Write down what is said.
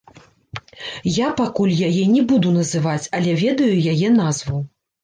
Я пакуль яе не буду называць, але ведаю яе назву.